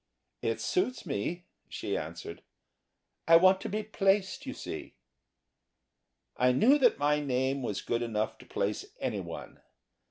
"It suits me," she answered "I want to be placed, you see." I knew that my name was good enough to place anyone.